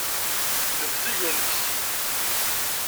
Nebzeg, ur neksi.